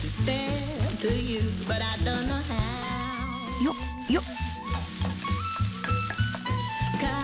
よっよっ！